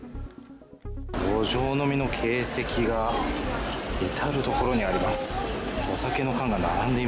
路上飲みの形跡が至る所にあります。